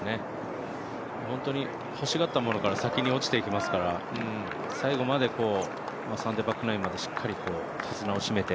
本当に欲しがったものから先に落ちていきますから、最後までサンデーバックナインまでしっかり手綱を締めて。